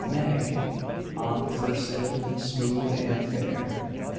"Meg" on the first lid, smooth and fair.